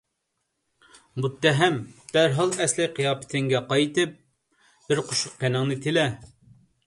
مۇتتەھەم! دەرھال ئەسلىي قىياپىتىڭگە قايتىپ بىر قوشۇق قېنىڭنى تىلە!